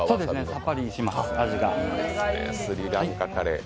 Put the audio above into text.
さっぱりします、味が。